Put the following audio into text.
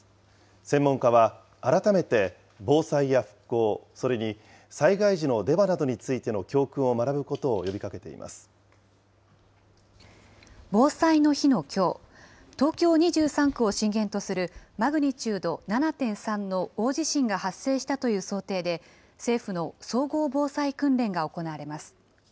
専門家は、改めて防災や復興、それに災害時のデマなどについての教訓を学ぶことを呼びかけてい防災の日のきょう、東京２３区を震源とするマグニチュード７．３の大地震が発生したという想定で、政府の総合防災訓練が行われます。